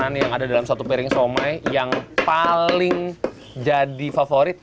makanan yang ada dalam satu piring somai yang paling jadi favorit